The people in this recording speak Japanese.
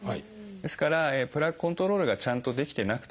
ですからプラークコントロールがちゃんとできてなくてですね